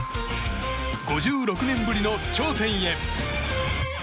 ５６年ぶりの頂点へ。